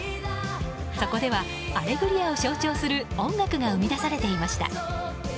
そこでは「アレグリア」を象徴する音楽が生み出されていました。